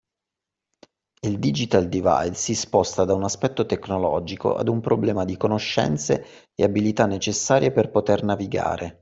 Il “Digital divide” si sposta da un aspetto tecnologico ad un problema di conoscenze e abilità necessarie per poter navigare